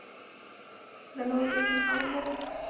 د نورو لیکنې هم ولولئ.